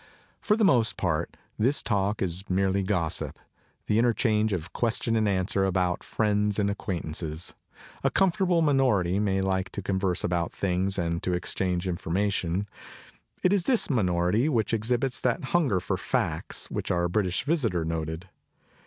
For the most part this talk is mere gossip, the interchange of question and answer about friends and acquaintances. A comfortable minority may like to converse about things, and to exchange information. It is this minority which exhibits that hunger for facts, which our British visitor noted.